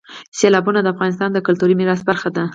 سیلابونه د افغانستان د کلتوري میراث برخه ده.